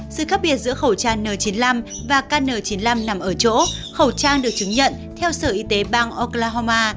sự khác biệt giữa khẩu trang n chín mươi năm và kn chín mươi năm nằm ở chỗ khẩu trang được chứng nhận theo sở y tế bang oklahoma